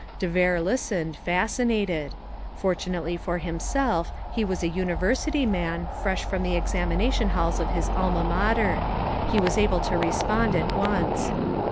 De Vere listened, fascinated. Fortunately for himself, he was a University man, fresh from the examination halls of his Alma Mater. He was able to respond at once.